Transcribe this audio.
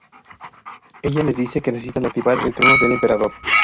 Ella les dice que necesitan activar el Trono del Emperador.